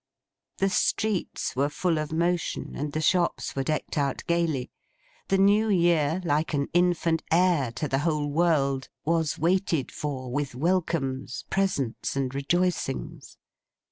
The streets were full of motion, and the shops were decked out gaily. The New Year, like an Infant Heir to the whole world, was waited for, with welcomes, presents, and rejoicings.